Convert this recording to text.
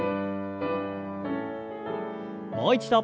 もう一度。